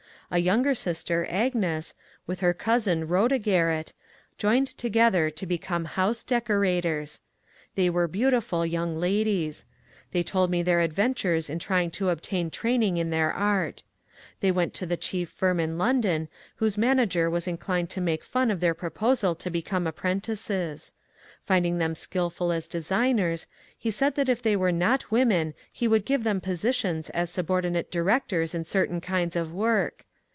A younger sister, Agnes, and her cousin Shoda Garrett, joined together to become house decorators. They were beautiful young la dies. They told me their adventures in trying to obtain training in their art. They went to the chief firm in London, FREEDOM OP WOMEN 451 whose manager was inclined to make fun of their proposal to become apprentices. Finding them skilful as designers, he said that if they were not women he could give them posi tions as subordinate directors in certain kinds of work.